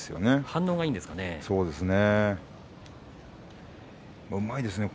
反応がいいんですね。